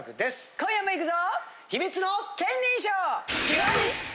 今夜もいくぞ！